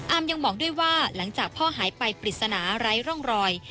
ยังบอกด้วยว่าหลังจากพ่อหายไปปริศนาไร้ร่องรอย